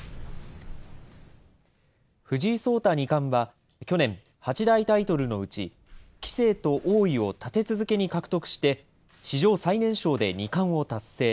藤井聡太二冠は去年、八大タイトルのうち、棋聖と王位を立て続けに獲得して、史上最年少で二冠を達成。